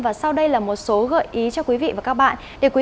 và sau đây là một số gợi ý cho quý vị và các bạn